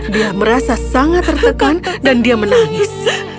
dia merasa sangat tertekan dan dia menangis